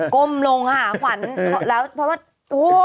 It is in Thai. กลมลงหาขวัญเพราะว่าโห